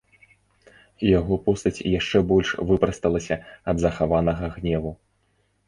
Яго постаць яшчэ больш выпрасталася ад захаванага гневу.